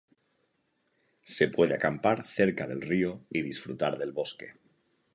Se puede acampar cerca del río y disfrutar del bosque.